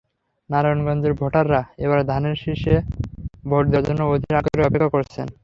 নারায়ণগঞ্জের ভোটাররা এবার ধানের শীষে ভোট দেওয়ার জন্য অধীর আগ্রহে অপেক্ষা করছেন।